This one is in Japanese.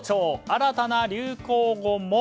新たな流行語も。